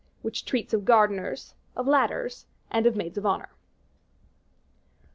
Which Treats of Gardeners, of Ladders, and Maids of Honor.